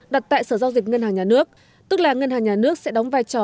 đặt tại sở giao dịch ngân hàng nhà nước tức là ngân hàng nhà nước sẽ đóng vai trò